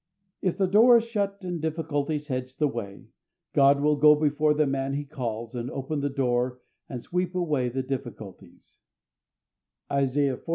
If the door is shut and difficulties hedge the way, God will go before the man He calls, and open the door and sweep away the difficulties (Isaiah xlv.